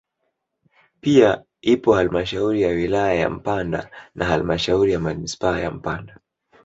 Pia ipo halmashauri ya wilaya ya Mpanda na halmashauri ya manispaa ya Mpanda